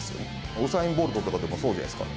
ウサイン・ボルトとかもそうじゃないですか。